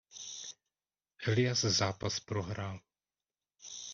Elias zápas prohrál.